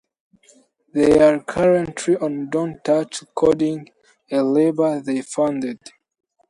They are currently on Don't Touch Recordings, a label they founded.